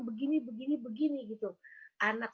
begini begini gitu anak